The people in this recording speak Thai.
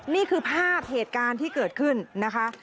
นี่คือภาพเหตุการณ์ที่เกิดขึ้นนะคะ